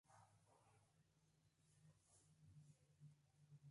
Su rango cronoestratigráfico abarca desde el Mioceno medio hasta el Plioceno inferior.